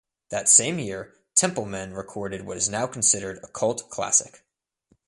That same year, Templeman recorded what is now considered a cult classic.